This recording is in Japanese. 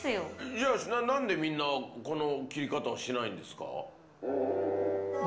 じゃあ何でみんなこの切り方をしないんですか？